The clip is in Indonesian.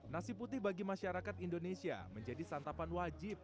nasi putih bagi masyarakat indonesia menjadi santapan wajib